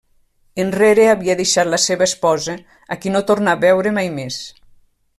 Enrere havia deixat la seva esposa, a qui no tornà a veure mai més.